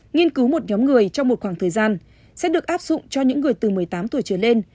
nghiên cứu một nhóm người trong một khoảng thời gian sẽ được áp dụng cho những người từ một mươi tám tuổi trở lên